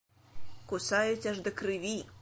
Кусаюць аж да крыві.